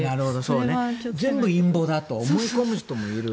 なるほど全部陰謀だと思い込む人もいる。